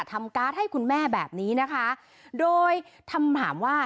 การ์ดให้คุณแม่แบบนี้นะคะโดยคำถามว่า